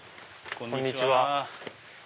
こんにちは。